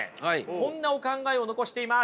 こんなお考えを残しています。